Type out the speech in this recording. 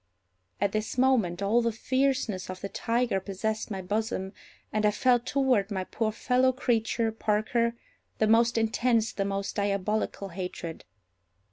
At this moment all the fierceness of the tiger possessed my bosom, and I felt toward my poor fellow creature, Parker, the most intense, the most diabolical hatred.